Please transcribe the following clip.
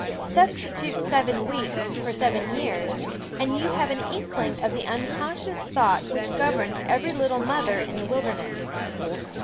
Substitute seven weeks for seven years, and you have an inkling of the unconscious thought which governs every little mother in the wilderness.